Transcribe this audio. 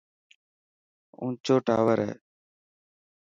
اونچو ٽاور هي.